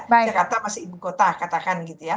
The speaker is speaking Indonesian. jakarta masih ibu kota katakan gitu ya